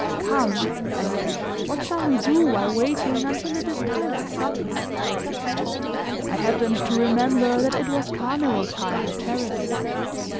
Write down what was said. "Come," I said, "what shall we do while waiting until it is time for supper?" I happened to remember that it was carnival time in Paris.